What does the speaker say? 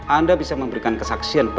anda bisa memberikan kesaksian